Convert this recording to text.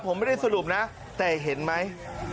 ผมไม่ได้สรุปนะแต่เห็นไหม